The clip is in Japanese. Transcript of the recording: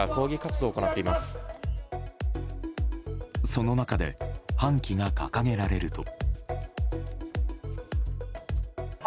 その中で半旗が掲げられると。